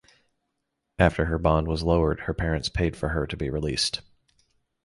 After her bond was lowered her parents paid for her to be released.